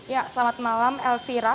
ya selamat malam elvira